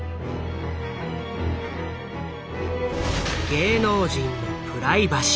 芸能人のプライバシー。